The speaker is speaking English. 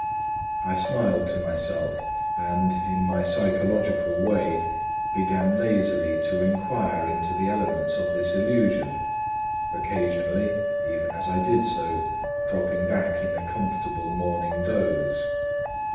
I smiled to myself, and in my psychological way, began lazily to inquire into the elements of this illusion, occasionally, even as I did so, dropping back into a comfortable morning doze.